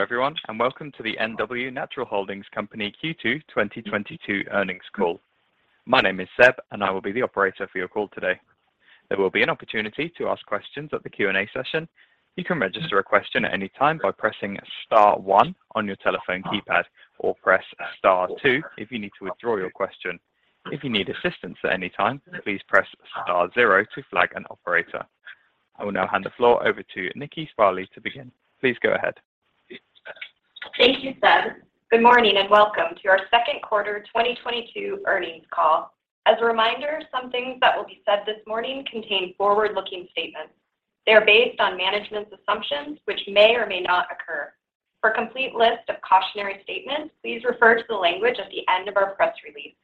Everyone, welcome to the Northwest Natural Holding Company Q2 2022 earnings call. My name is Zeb, and I will be the operator for your call today. There will be an opportunity to ask questions at the Q&A session. You can register a question at any time by pressing star one on your telephone keypad, or press star two if you need to withdraw your question. If you need assistance at any time, please press star zero to flag an operator. I will now hand the floor over to Nikki Sparley to begin. Please go ahead. Thank you, Zeb. Good morning and welcome to our second quarter 2022 earnings call. As a reminder, some things that will be said this morning contain forward-looking statements. They are based on management's assumptions which may or may not occur. For a complete list of cautionary statements, please refer to the language at the end of our press release.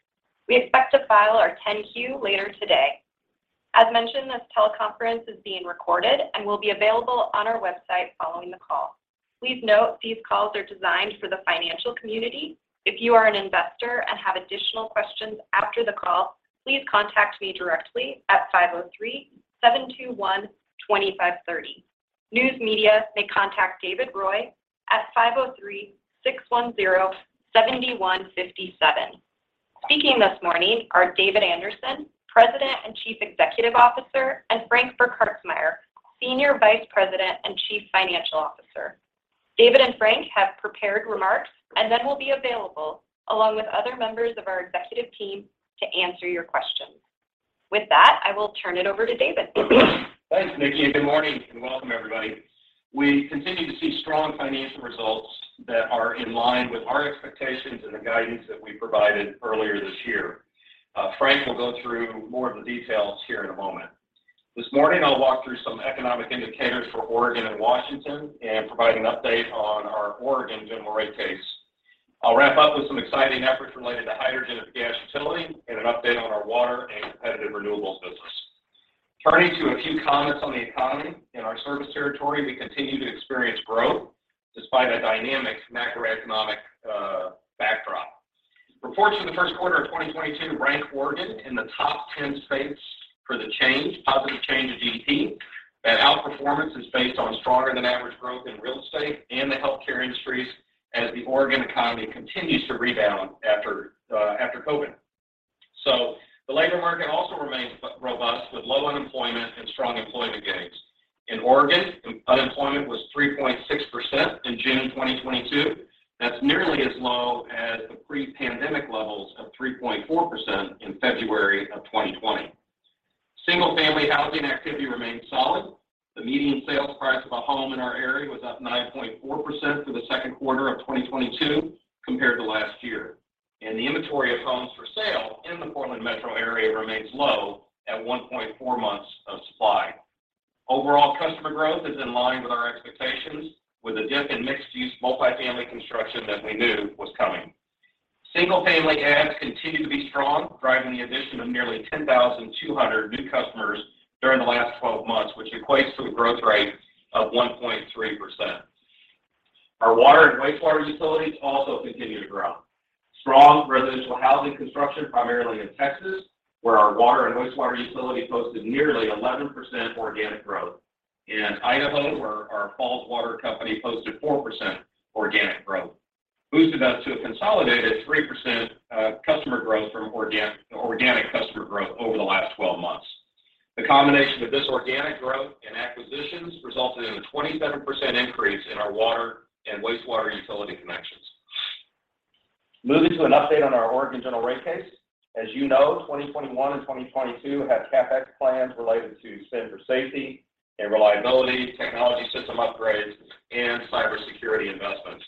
We expect to file our 10-Q later today. As mentioned, this teleconference is being recorded and will be available on our website following the call. Please note, these calls are designed for the financial community. If you are an investor and have additional questions after the call, please contact me directly at 503-721-2530. News media may contact David Roy at 503-610-7157. Speaking this morning are David Anderson, President and Chief Executive Officer, and Frank Burkhartsmeyer, Senior Vice President and Chief Financial Officer. David and Frank have prepared remarks and then will be available along with other members of our executive team to answer your questions. With that, I will turn it over to David. Thanks, Nikki. And good morning and welcome everybody. We continue to see strong financial results that are in line with our expectations and the guidance that we provided earlier this year. Frank will go through more of the details here in a moment. This morning, I'll walk through some economic indicators for Oregon and Washington and provide an update on our Oregon general rate case. I'll wrap up with some exciting efforts related to hydrogen and gas utility and an update on our water and competitive renewables business. Turning to a few comments on the economy. In our service territory, we continue to experience growth despite a dynamic macroeconomic backdrop. Reports in the first quarter of 2022 ranked Oregon in the top 10 states for the change, positive change in GDP. That outperformance is based on stronger than average growth in real estate and the healthcare industries as the Oregon economy continues to rebound after COVID. The labor market also remains robust with low unemployment and strong employment gains. In Oregon, unemployment was 3.6% in June 2022. That's nearly as low as the pre-pandemic levels of 3.4% in February 2020. Single-family housing activity remains solid. The median sales price of a home in our area was up 9.4% for the second quarter of 2022 compared to last year. The inventory of homes for sale in the Portland metro area remains low at 1.4 months of supply. Overall customer growth is in line with our expectations with a dip in mixed-use multi-family construction that we knew was coming. Single-family adds continue to be strong, driving the addition of nearly 10,200 new customers during the last 12 months, which equates to a growth rate of 1.3%. Our water and wastewater utilities also continue to grow. Strong residential housing construction, primarily in Texas, where our water and wastewater utility posted nearly 11% organic growth. In Idaho, where our Falls Water Company posted 4% organic growth, boosted us to a consolidated 3% customer growth from organic customer growth over the last 12 months. The combination of this organic growth and acquisitions resulted in a 27% increase in our water and wastewater utility connections. Moving to an update on our Oregon general rate case. As you know, 2021 and 2022 have CapEx plans related to spend for safety and reliability, technology system upgrades, and cybersecurity investments.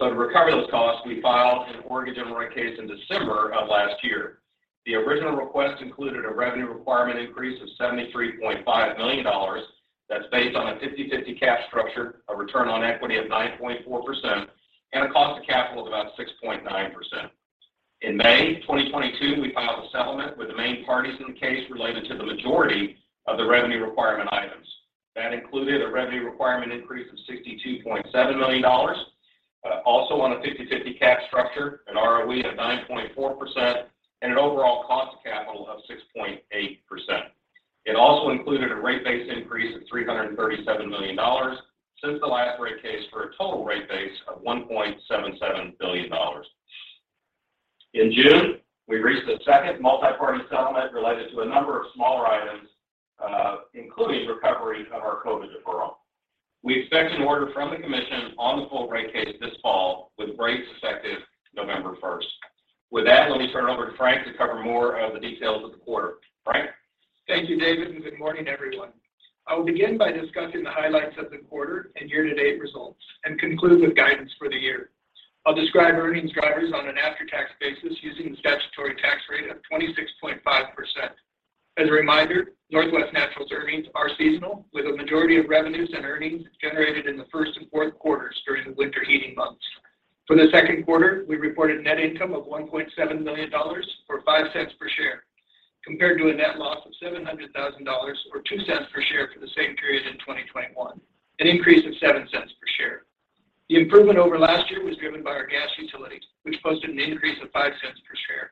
To recover those costs, we filed an Oregon general rate case in December of last year. The original request included a revenue requirement increase of $73.5 million. That's based on a 50/50 capital structure, a return on equity of 9.4%, and a cost of capital of about 6.9%. In May 2022, we filed a settlement with the main parties in the case related to the majority of the revenue requirement items. That included a revenue requirement increase of $62.7 million, also on a 50/50 capital structure, an ROE of 9.4%, and an overall cost of capital of 6.8%. It also included a rate base increase of $337 million since the last rate case for a total rate base of $1.77 billion. In June, we reached a second multi-party settlement related to a number of smaller items, including recovery of our COVID deferral. We expect an order from the commission on the full rate case this fall with rates effective November first. With that, let me turn it over to Frank to cover more of the details of the quarter. Frank? Thank you, David, and good morning, everyone. I will begin by discussing the highlights of the quarter and year-to-date results and conclude with guidance for the year. I'll describe earnings drivers on an after-tax basis using the statutory tax rate of 26.5%. As a reminder, NW Natural's earnings are seasonal with a majority of revenues and earnings generated in the first and fourth quarters during the winter heating months. For the second quarter, we reported net income of $1.7 million or $0.05 per share, compared to a net loss of $700,000 or $0.02 per share for the same period in 2021, an increase of $0.07 per share. The improvement over last year was driven by our gas utilities, which posted an increase of $0.05 per share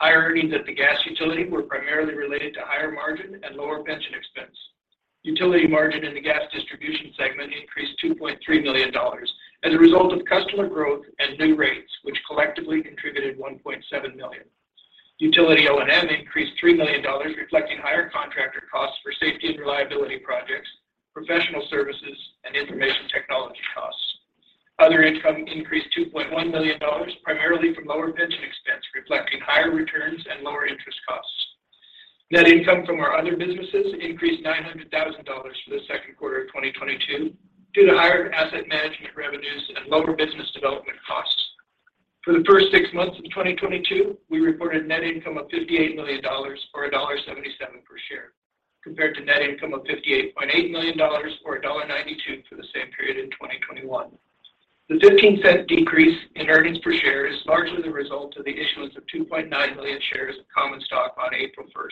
Higher earnings at the gas utility were primarily related to higher margin and lower pension expense. Utility margin in the gas distribution segment increased $2.3 million as a result of customer growth and new rates, which collectively contributed $1.7 million. Utility O&M increased $3 million, reflecting higher contractor costs for safety and reliability projects, professional services, and information technology costs. Other income increased $2.1 million, primarily from lower pension expense, reflecting higher returns and lower interest costs. Net income from our other businesses increased $900,000 for the second quarter of 2022 due to higher asset management revenues and lower business development costs. For the first 6 months of 2022, we reported net income of $58 million or $1.77 per share, compared to net income of $58.8 million or $1.92 for the same period in 2021. The $0.15 decrease in earnings per share is largely the result of the issuance of 2.9 million shares of common stock on April 1.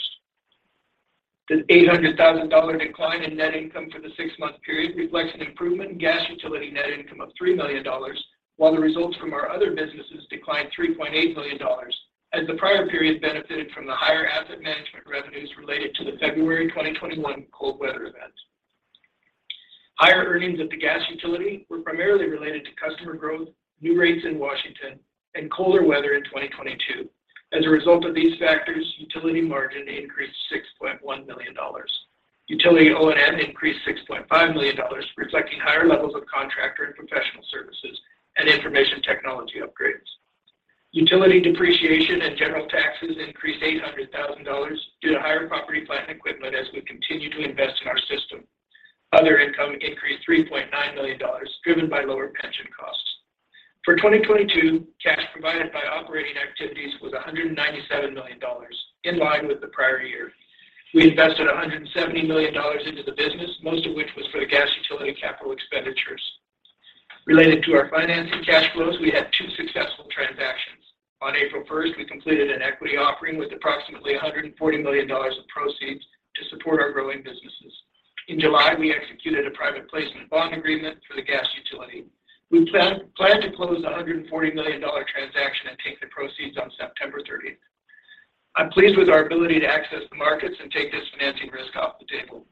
The $800,000 decline in net income for the 6-month period reflects an improvement in gas utility net income of $3 million, while the results from our other businesses declined $3.8 million as the prior period benefited from the higher asset management revenues related to the February 2021 cold weather event. Higher earnings at the gas utility were primarily related to customer growth, new rates in Washington, and colder weather in 2022. As a result of these factors, utility margin increased $6.1 million. Utility O&M increased $6.5 million, reflecting higher levels of contractor and professional services and information technology upgrades. Utility depreciation and general taxes increased $800,000 due to higher property plant equipment as we continue to invest in our system. Other income increased $3.9 million, driven by lower pension costs. For 2022, cash provided by operating activities was $197 million, in line with the prior year. We invested $170 million into the business, most of which was for the gas utility capital expenditures. Related to our financing cash flows, we had two successful transactions. On April first, we completed an equity offering with approximately $140 million of proceeds to support our growing businesses. In July, we executed a private placement bond agreement for the gas utility. We plan to close the $140 million transaction and take the proceeds on September thirtieth. I'm pleased with our ability to access the markets and take this financing risk off the table.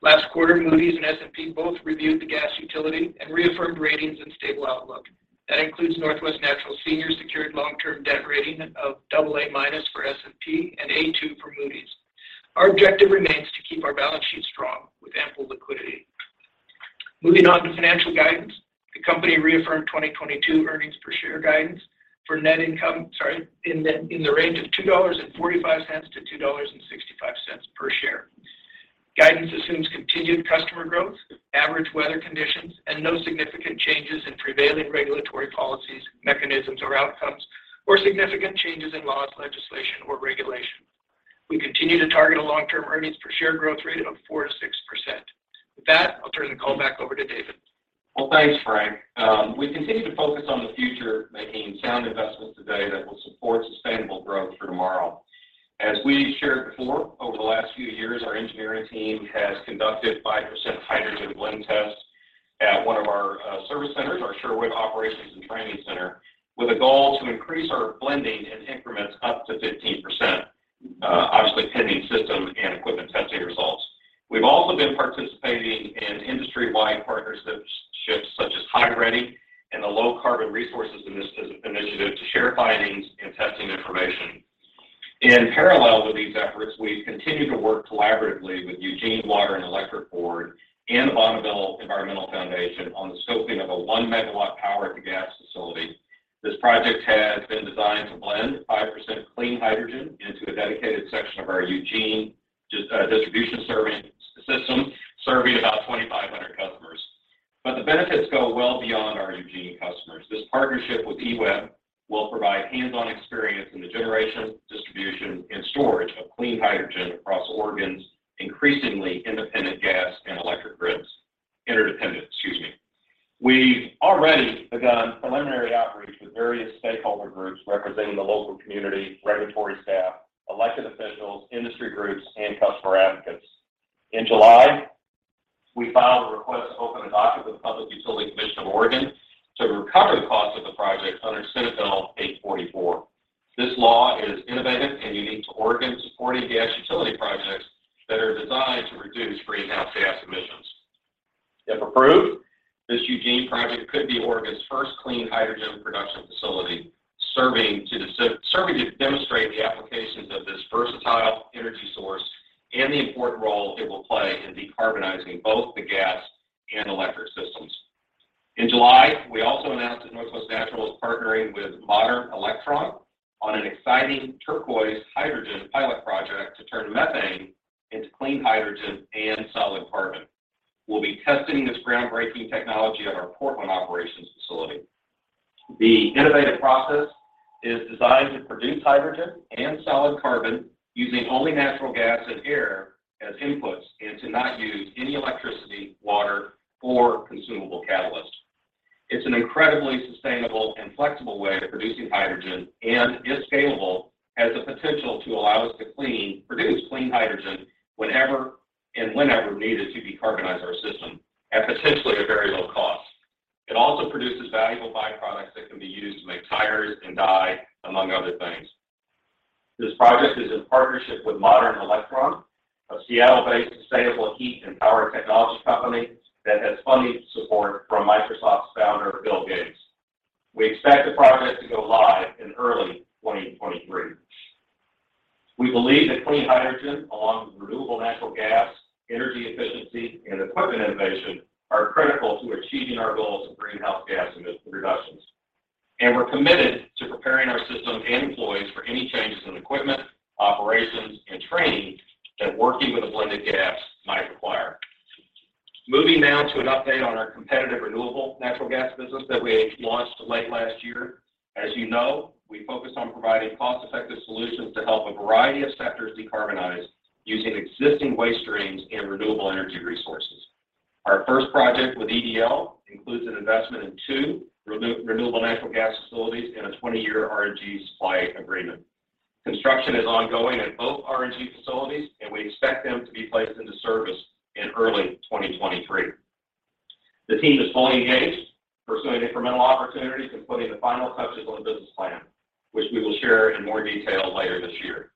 Last quarter, Moody's and S&P both reviewed the gas utility and reaffirmed ratings and stable outlook. That includes Northwest Natural's senior secured long-term debt rating of AA- for S&P and A2 for Moody's. Our objective remains to keep our balance sheet strong with ample liquidity. Moving on to financial guidance. The company reaffirmed 2022 earnings per share guidance for net income, sorry, in the range of $2.45-$2.65 per share. Guidance assumes continued customer growth, average weather conditions, and no significant changes in prevailing regulatory policies, mechanisms, or outcomes, or significant changes in laws, legislation, or regulation. We continue to target a long-term earnings per share growth rate of 4%-6%. With that, I'll turn the call back over to David. Well, thanks, Frank. We continue to focus on the future, making sound investments today that will support sustainable growth for tomorrow. As we shared before, over the last few years, our engineering team has conducted 5% hydrogen blend tests at one of our service centers, our Sherwood Operations and Training Center, with a goal to increase our blending in increments up to 15%, obviously pending system and equipment testing results. We've also been participating in industry-wide partnerships such as HyReady and the Low-Carbon Resources Initiative to share findings and testing information. In parallel with these efforts, we've continued to work collaboratively with Eugene Water & Electric Board and the Bonneville Environmental Foundation on the scoping of a 1-MW power-to-gas facility. This project has been designed to blend 5% clean hydrogen into a dedicated section of our Eugene distribution serving system, serving about 2,500 customers. The benefits go well beyond our Eugene customers. This partnership with EWEB will provide hands-on experience in the generation, distribution, and storage of clean hydrogen across Oregon's increasingly interdependent gas and electric grids. We've already begun preliminary outreach with various stakeholder groups representing the local community, regulatory staff, elected officials, industry groups, and customer advocates. In July, we filed a request to open a docket with the Public Utility Commission of Oregon to recover the cost of the project under Senate Bill 844. This law is innovative and unique to Oregon, supporting gas utility projects that are designed to reduce greenhouse gas emissions. If approved, this Eugene project could be Oregon's first clean hydrogen production facility, serving to demonstrate the applications of this versatile energy source and the important role it will play in decarbonizing both the gas and electric systems. In July, we also announced that Northwest Natural is partnering with Modern Electron on an exciting turquoise hydrogen pilot project to turn methane into clean hydrogen and solid carbon. We'll be testing this groundbreaking technology at our Portland operations facility. The innovative process is designed to produce hydrogen and solid carbon using only natural gas and air as inputs, and to not use any electricity, water, or consumable catalyst. It's an incredibly sustainable and flexible way of producing hydrogen, and if scalable, has the potential to allow us to produce clean hydrogen whenever needed to decarbonize our system at potentially a very low cost. It also produces valuable byproducts that can be used to make tires and dye, among other things. This project is in partnership with Modern Electron, a Seattle-based sustainable heat and power technology company that has funding support from Microsoft's founder, Bill Gates. We expect the project to go live in early 2023. We believe that clean hydrogen, along with renewable natural gas, energy efficiency, and equipment innovation are critical to achieving our goals of greenhouse gas emissions reductions. We're committed to preparing our system and employees for any changes in equipment, operations, and training that working with a blended gas might require. Moving now to an update on our competitive renewable natural gas business that we launched late last year. As you know, we focus on providing cost-effective solutions to help a variety of sectors decarbonize using existing waste streams and renewable energy resources. Our first project with EDL includes an investment in two renewable natural gas facilities and a 20-year RNG supply agreement. Construction is ongoing at both RNG facilities, and we expect them to be placed into service in early 2023. The team is fully engaged, pursuing incremental opportunities and putting the final touches on the business plan, which we will share in more detail later this year.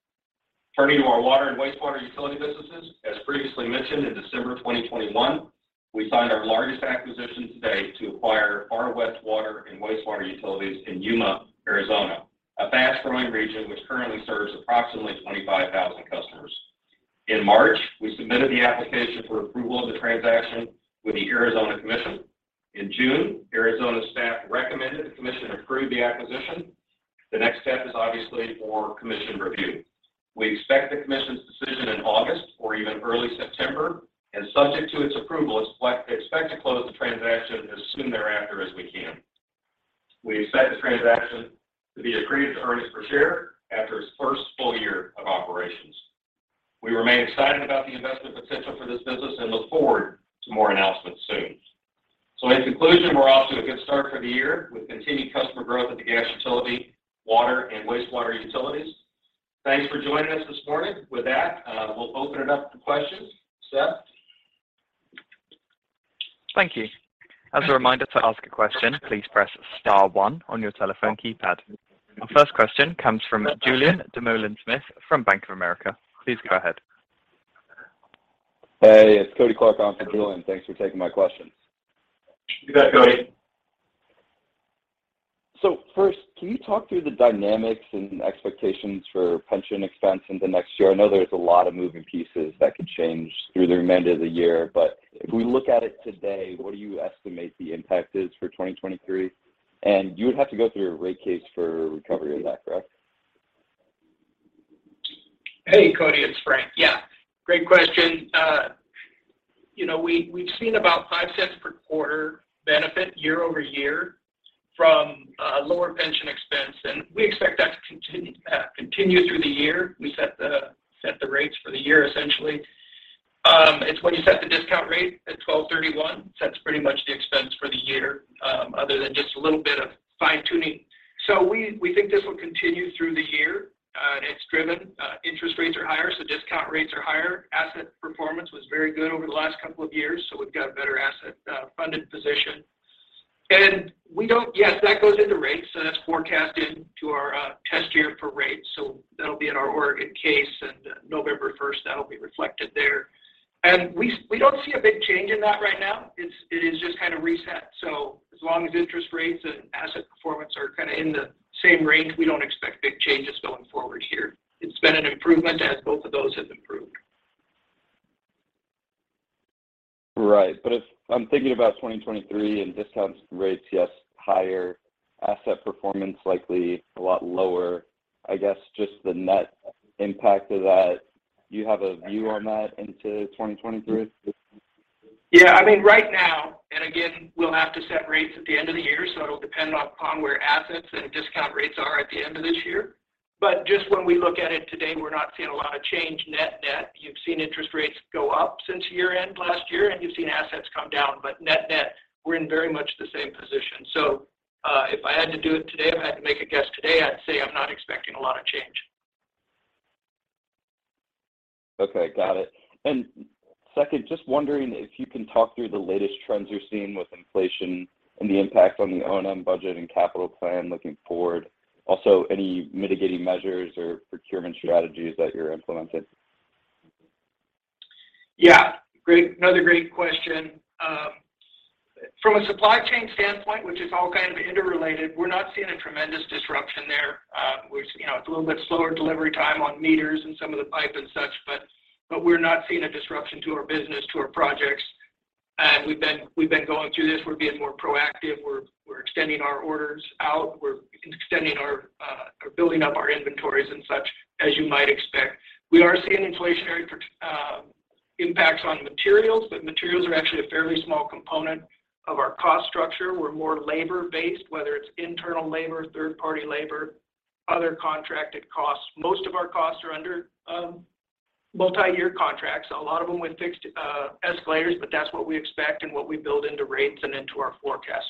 Turning to our water and wastewater utility businesses, as previously mentioned, in December 2021, we signed our largest acquisition to date to acquire Far West Water & Sewer, Inc. in Yuma, Arizona, a fast-growing region which currently serves approximately 25,000 customers. In March, we submitted the application for approval of the transaction with the Arizona Corporation Commission. In June, Arizona staff recommended the commission approve the acquisition. The next step is obviously for commission review. We expect the commission's decision in August or even early September, and subject to its approval, expect to close the transaction as soon thereafter as we can. We expect the transaction to be accretive to earnings per share after its first full year of operations. We remain excited about the investment potential for this business and look forward to more announcements soon. In conclusion, we're off to a good start for the year with continued customer growth at the gas utility, water, and wastewater utilities. Thanks for joining us this morning. With that, we'll open it up to questions. Seth? Thank you. As a reminder, to ask a question, please press star one on your telephone keypad. Our first question comes from Julien Dumoulin-Smith from Bank of America. Please go ahead. Hey, it's Kody Clark on for Julian. Thanks for taking my questions. You bet, Cody. First, can you talk through the dynamics and expectations for pension expense in the next year? I know there's a lot of moving pieces that could change through the remainder of the year. If we look at it today, what do you estimate the impact is for 2023? You would have to go through a rate case for recovery of that, correct? Hey, Kody, it's Frank. Yeah, great question. You know, we've seen about $0.05 per quarter benefit year-over-year from lower pension expense, and we expect that to continue through the year. We set the rates for the year, essentially. It's when you set the discount rate at 12/31, sets pretty much the expense for the year, other than just a little bit of fine-tuning. We think this will continue through the year. It's driven, interest rates are higher, so discount rates are higher. Asset performance was very good over the last couple of years, so we've got a better asset funded position. Yes, that goes into rates, and it's forecasted to our test year for rates. That'll be in our Oregon case, and November first, that'll be reflected there. We don't see a big change in that right now. It is just kind of reset. As long as interest rates and asset performance are kinda in the same range, we don't expect big changes going forward here. It's been an improvement as both of those have improved. Right. If I'm thinking about 2023 and discount rates, yes, higher. Asset performance likely a lot lower. I guess just the net impact of that, do you have a view on that into 2023? Yeah. I mean, right now, and again, we'll have to set rates at the end of the year, so it'll depend upon where assets and discount rates are at the end of this year. Just when we look at it today, we're not seeing a lot of change net net. You've seen interest rates go up since year-end last year, and you've seen assets come down. Net net, we're in very much the same position. If I had to do it today, if I had to make a guess today, I'd say I'm not expecting a lot of change. Okay. Got it. Second, just wondering if you can talk through the latest trends you're seeing with inflation and the impact on the O&M budget and capital plan looking forward. Also, any mitigating measures or procurement strategies that you're implementing? Yeah. Great, another great question. From a supply chain standpoint, which is all kind of interrelated, we're not seeing a tremendous disruption there. We're, you know, it's a little bit slower delivery time on meters and some of the pipe and such, but we're not seeing a disruption to our business, to our projects. We've been going through this. We're being more proactive. We're extending our orders out. We're building up our inventories and such, as you might expect. We are seeing inflationary impacts on materials, but materials are actually a fairly small component of our cost structure. We're more labor-based, whether it's internal labor, third-party labor, other contracted costs. Most of our costs are under multiyear contracts, a lot of them with fixed escalators, but that's what we expect and what we build into rates and into our forecasts.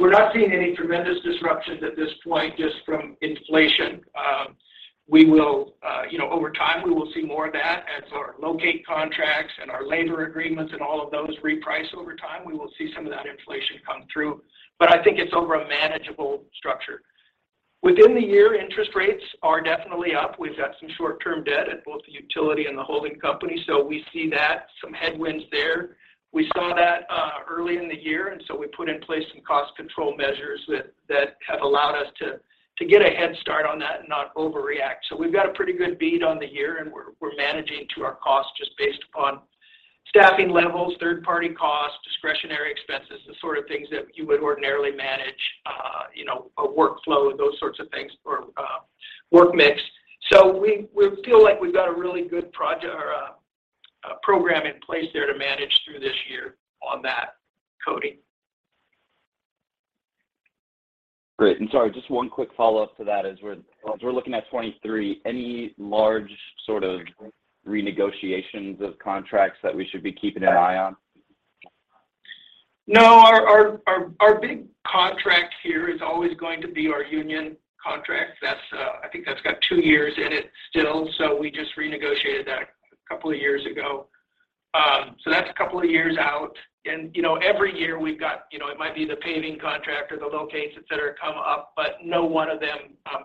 We're not seeing any tremendous disruptions at this point just from inflation. We will, you know, over time we will see more of that as our locate contracts and our labor agreements and all of those reprice over time. We will see some of that inflation come through, but I think it's in a manageable structure. Within the year, interest rates are definitely up. We've got some short-term debt at both the utility and the holding company, so we see that some headwinds there. We saw that early in the year. We put in place some cost control measures that have allowed us to get a head start on that and not overreact. We've got a pretty good bead on the year, and we're managing to our cost just based upon staffing levels, third-party costs, discretionary expenses, the sort of things that you would ordinarily manage, a workflow, those sorts of things, or work mix. We feel like we've got a really good program in place there to manage through this year on that, Cody. Great. Sorry, just one quick follow-up to that as we're looking at 23. Any large sort of renegotiations of contracts that we should be keeping an eye on? No. Our big contract here is always going to be our union contract. That's, I think that's got 2 years in it still, so we just renegotiated that a couple of years ago. That's a couple of years out. You know, every year we've got, you know, it might be the paving contract or the locates, et cetera, come up, but no one of them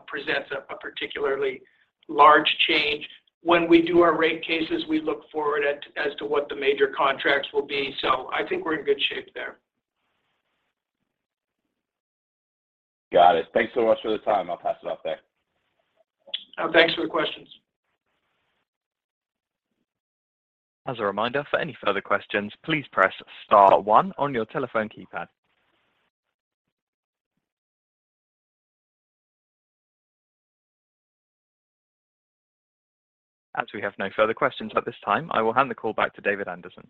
presents a particularly large change. When we do our rate cases, we look forward as to what the major contracts will be, so I think we're in good shape there. Got it. Thanks so much for the time. I'll pass it off there. Thanks for the questions. As a reminder, for any further questions, please press star one on your telephone keypad. As we have no further questions at this time, I will hand the call back to David Anderson.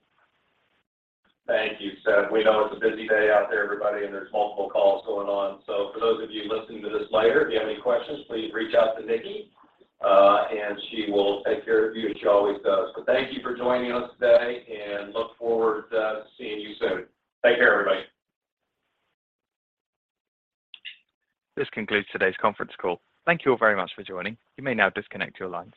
Thank you, Seth. We know it's a busy day out there, everybody, and there's multiple calls going on. For those of you listening to this later, if you have any questions, please reach out to Nikki, and she will take care of you as she always does. Thank you for joining us today, and look forward to seeing you soon. Take care, everybody. This concludes today's conference call. Thank you all very much for joining. You may now disconnect your lines.